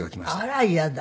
あら嫌だ。